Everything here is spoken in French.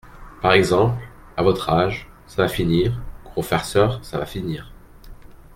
Par exemple !… à votre âge !… ça va finir !… gros farceur, ça va finir !…